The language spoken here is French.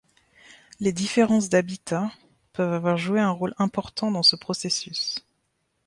Les différences d’habitats peuvent avoir joué un rôle important dans ce processus.